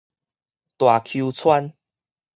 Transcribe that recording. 大坵村